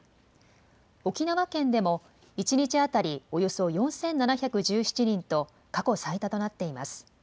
沖縄県でも、１日当たりおよそ４７１７人と、過去最多となっています。